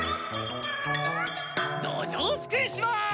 どじょうすくいします！